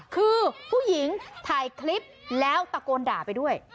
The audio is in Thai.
คือผู้หญิงถ่ายคลิปแล้วตะโกนด่าไปด้วย